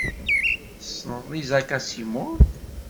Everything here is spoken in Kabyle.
Tessneḍ Isaac Asimov?